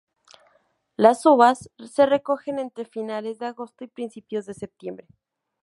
Las uvas se recogen entre finales de agosto y principios de septiembre.